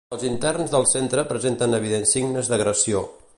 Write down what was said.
Els interns del centre presenten evidents signes d'agressió